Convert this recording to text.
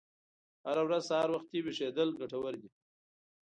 هره ورځ سهار وختي ویښیدل ګټور دي.